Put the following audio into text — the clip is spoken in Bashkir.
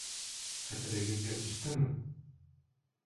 Хәтерегеҙгә төштөмө?